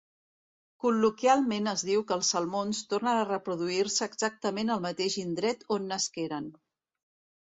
Col·loquialment es diu que els salmons tornen a reproduir-se exactament al mateix indret on nasqueren.